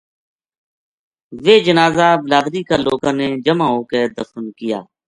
ویہ جنازہ بلادری کا لوکاں نے جمع ہو کے دفن کِیا